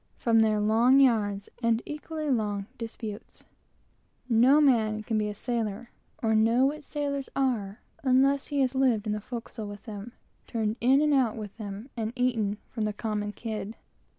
from their long yarns and equally long disputes. No man can be a sailor, or know what sailors are, unless he has lived in the forecastle with them turned in and out with them, eaten of their dish and drank of their cup.